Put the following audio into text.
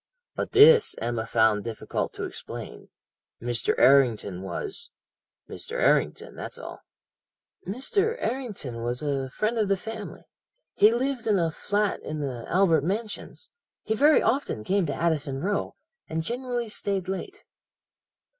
"But this Emma found difficult to explain. Mr. Errington was Mr. Errington, that's all. "'Mr. Errington was a friend of the family. He lived in a flat in the Albert Mansions. He very often came to Addison Row, and generally stayed late.'